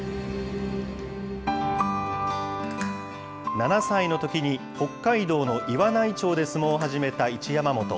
７歳のときに、北海道の岩内町で相撲を始めた一山本。